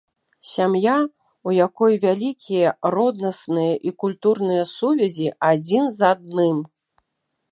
Сям'я, у якой вялікія роднасныя і культурныя сувязі адзін з адным.